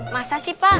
masa sih pak